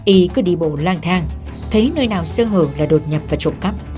ý cứ đi bộ lang thang thấy nơi nào sơ hưởng là đột nhập và trụ